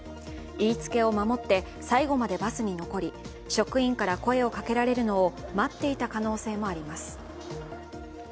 言いつけを守って最後までバスに残り職員から声をかけられるのを待っていた可能性もあります。